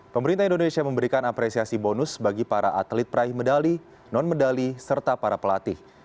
pemerintah indonesia memberikan apresiasi bonus bagi para atlet peraih medali non medali serta para pelatih